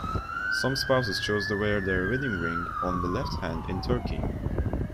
Some spouses choose to wear their wedding ring on the left hand in Turkey.